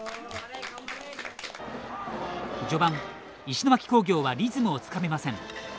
序盤石巻工業はリズムをつかめません。